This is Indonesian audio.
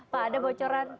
pak ada bocoran